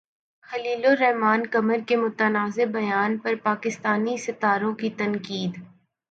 خلیل الرحمن قمر کے متنازع بیان پر پاکستانی ستاروں کی تنقید